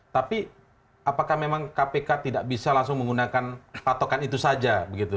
tapi apakah memang kpk tidak bisa langsung menggunakan patokan itu saja begitu